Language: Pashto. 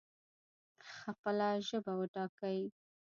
خپله ژبه وټاکئ